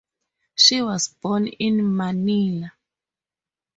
She was born in Manila.